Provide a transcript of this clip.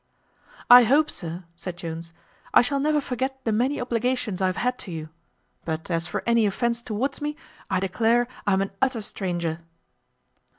"I hope, sir," said Jones, "I shall never forget the many obligations I have had to you; but as for any offence towards me, I declare I am an utter stranger."